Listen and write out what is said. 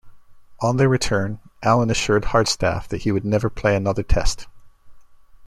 On their return, Allen assured Hardstaff that he would never play another Test.